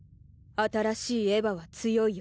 新しいエヴァは強いよ。